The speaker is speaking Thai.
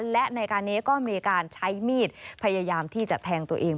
และในการนี้ก็มีการใช้มีดพยายามที่จะแทงตัวเอง